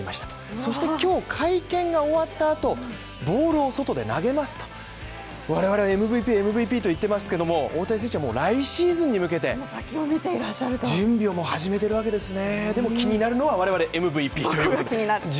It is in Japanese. そして今日会見が終わった後、ボールを外で投げますと我々はＭＶＰＭＶＰと言ってますけどももう来シーズンに向けて、先を見ていらっしゃると準備を始めてるわけですね